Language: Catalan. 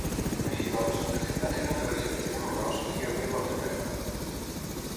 Així doncs, les distàncies entre les illes eren menors i hi havia ponts de terra.